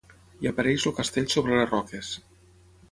Hi apareix el castell sobre les roques.